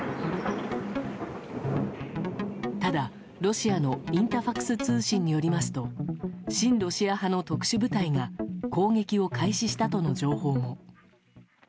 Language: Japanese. ただ、ロシアのインタファクス通信によりますと親ロシア派の特殊部隊が攻撃を開始したとの情報も。